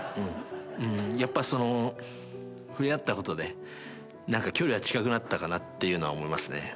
うんやっぱそのう触れ合ったことで距離が近くなったかなっていうのは思いますね。